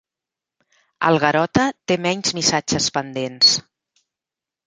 El Garota té menys missatges pendents.